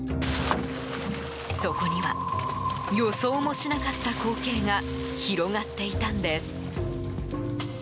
そこには予想もしなかった光景が広がっていたんです。